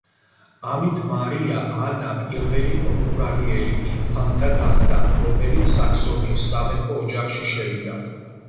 ამით მარია ანა პირველი პორტუგალიელი ინფანტა გახდა, რომელიც საქსონიის სამეფო ოჯახში შევიდა.